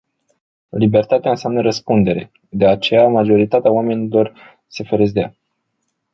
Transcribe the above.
Libertatea înseamnă răspundere. De aceea majoritatea oamenilor se feresc de ea.